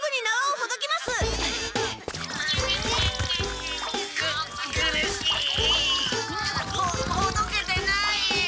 ほほどけてない！